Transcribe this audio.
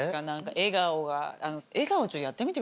笑顔が。